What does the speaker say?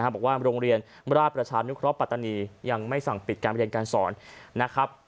บอกว่าโรงเรียนราชนุครบปัตตานียังไม่สั่งปิดการเรียนการสอน